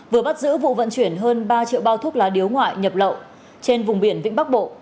vừa bắt giữ vụ vận chuyển hơn ba triệu bao thuốc lá điếu ngoại nhập lậu trên vùng biển vĩnh bắc bộ